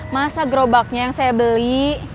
masa gerobaknya yang saya beli